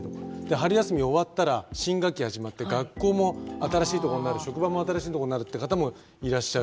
春休み終わったら新学期始まって学校も新しいとこになる職場も新しいとこになるって方もいらっしゃる。